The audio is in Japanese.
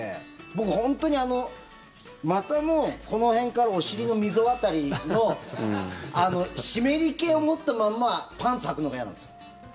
僕、本当に股のこの辺からお尻の溝辺りの湿り気を持ったまんまパンツをはくのが嫌なんですよ。